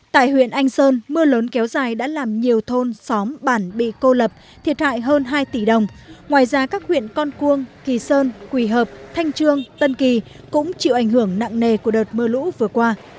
tại huyện anh sơn mưa lớn kéo dài đã làm nhiều thôn xóm bản bị cô lập thiệt hại hơn hai tỷ đồng ngoài ra các huyện con cuông kỳ sơn quỳ hợp thanh trương tân kỳ cũng chịu ảnh hưởng nặng nề của đợt mưa lũ vừa qua